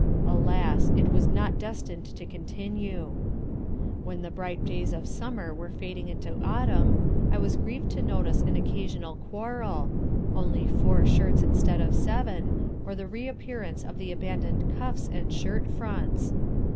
Alas! it was not destined to continue! When the bright days of summer were fading into autumn, I was grieved to notice an occasional quarrel only four shirts instead of seven, or the reappearance of the abandoned cuffs and shirt fronts.